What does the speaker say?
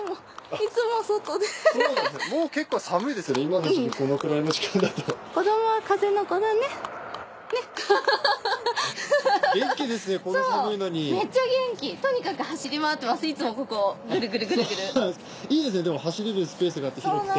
いいですねでも走れるスペースがあって広くて。